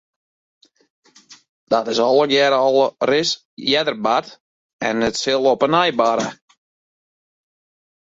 Dat is allegearre al ris earder bard en it sil op 'e nij barre.